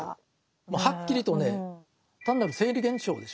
もうはっきりとね単なる生理現象でしょうと。